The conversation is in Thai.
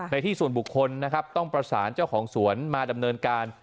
ที่ส่วนบุคคลนะครับต้องประสานเจ้าของสวนมาดำเนินการ